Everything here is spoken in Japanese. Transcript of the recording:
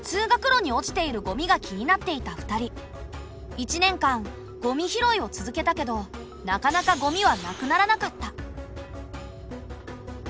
１年間ゴミ拾いを続けたけどなかなかゴミはなくならなかった。